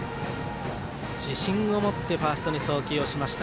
自信を持ってファーストに送球をしました。